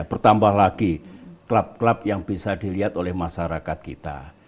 bertambah lagi klub klub yang bisa dilihat oleh masyarakat kita